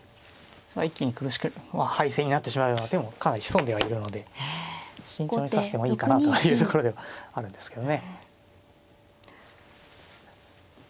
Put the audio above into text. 一気に苦しくもう敗戦になってしまうような手もかなり潜んではいるので慎重に指してもいいかなというところではあるんですけどね。